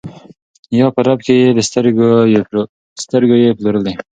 یا په رپ کي یې د سترګو یې پلورلی